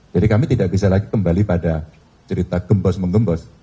jadi kami tidak bisa lagi kembali pada cerita gembos mengembos